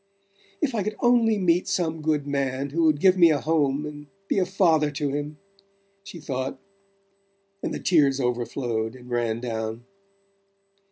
"If I could only meet some good man who would give me a home and be a father to him," she thought and the tears overflowed and ran down.